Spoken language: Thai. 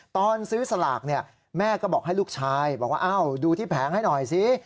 ตอนซื้อสลากแม่ก็บอกให้ลูกชายดูที่แผงให้หน่อยสิ